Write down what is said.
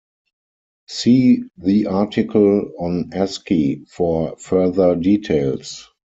See the article on asci for further details.